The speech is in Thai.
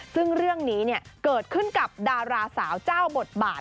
ซึ่งเรื่องนี้เกิดขึ้นกับดาราสาวเจ้าบทบาท